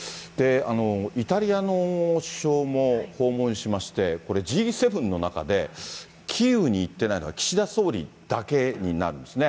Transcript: イタリアの首相も、訪問しまして、これＧ７の中で、キーウに行っていないのは岸田総理だけになるんですね。